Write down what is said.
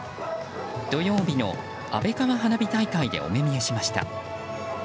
土曜日の安倍川花火大会でお目見えしました。